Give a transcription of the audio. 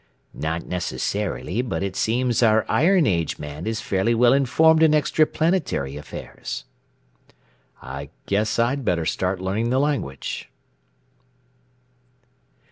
"Not necessarily, but it seems our iron age man is fairly well informed in extraplanetary affairs." "I guess I'd better start learning the language."